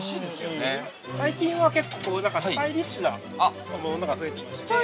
◆最近は結構、スタイリッシュなものが増えていまして。